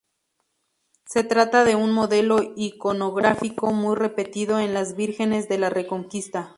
Se trata de un modelo iconográfico muy repetido en las vírgenes de la Reconquista.